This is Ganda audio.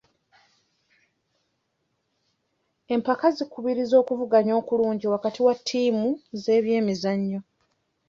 Empaka zikubiriza okuvuganya okulungi wakati wa ttiimu z'ebyemizannyo.